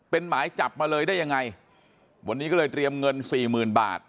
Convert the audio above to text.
เป็นหมายจับมาเลยได้ยังไงวันนี้ก็เลยเตรียมเงินสี่หมื่นบาท